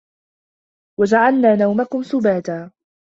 وَجَعَلنا نَومَكُم سُباتًا